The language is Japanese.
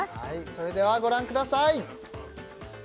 それではご覧ください